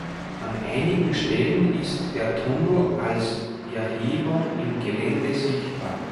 An einigen Stellen ist der Tunnel als Erhebung im Gelände sichtbar.